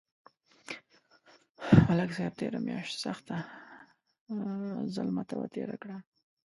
ملک صاحب تېره میاشت سخته ظلمه تبه تېره کړه.